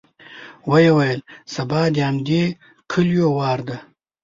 ويې ويل: سبا د همدې کليو وار دی.